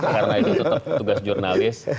karena itu tetap tugas jurnalis